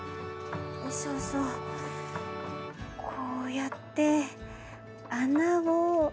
そうそうこうやって穴を。